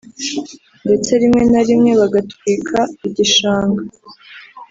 ndetse rimwe na rimwe bagatwika igishanga